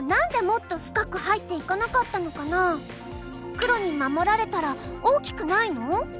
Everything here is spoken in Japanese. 黒に守られたら大きくないの？